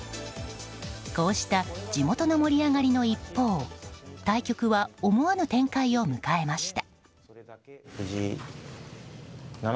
こうした地元の盛り上がりの一方対局は思わぬ展開を迎えました。